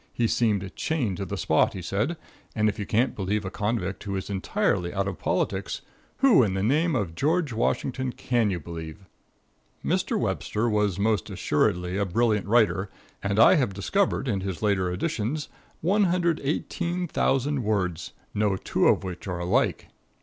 He seemed chained to the spot, he said, and if you can't believe a convict, who is entirely out of politics, who in the name of George Washington can you believe? Mr. Webster was most assuredly a brilliant writer, and I have discovered in his later editions 118,000 words, no two of which are alike.